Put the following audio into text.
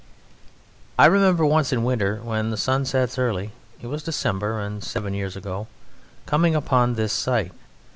I remember once in winter when the sun sets early (it was December, and seven years ago) coming upon this sight.